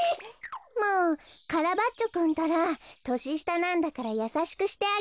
もうカラバッチョくんったら。とししたなんだからやさしくしてあげなきゃ。